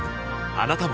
あなたも